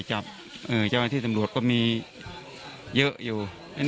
จับที่สำรวจมีเยอะอยู่